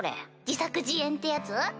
自作自演ってやつ？